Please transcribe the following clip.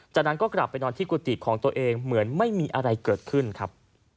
จากนั้นก็กลับไปนอนที่กุฏิของตัวเองเหมือนไม่มีอะไรเกิดขึ้นครับ